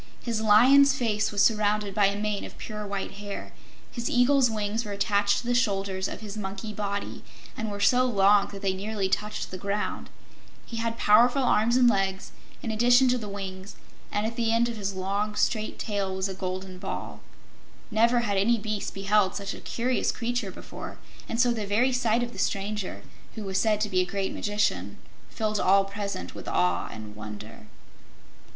His lion's face was surrounded by a mane of pure white hair; his eagle's wings were attached to the shoulders of his monkey body and were so long that they nearly touched the ground; he had powerful arms and legs in addition to the wings, and at the end of his long, strong tail was a golden ball. Never had any beast beheld such a curious creature before, and so the very sight of the stranger, who was said to be a great magician, filled all present with awe and wonder.